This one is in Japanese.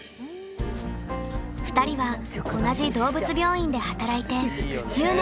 ２人は同じ動物病院で働いて１０年になります。